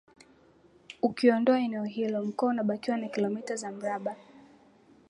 Ukiondoa eneo hilo Mkoa unabakiwa na Kilomita za mraba